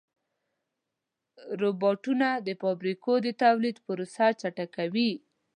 روبوټونه د فابریکو د تولید پروسه چټکه کوي.